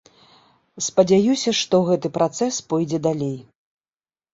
Спадзяюся, што гэты працэс пойдзе далей.